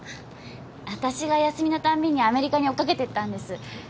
私が休みのたんびにアメリカに追っ掛けてったんです。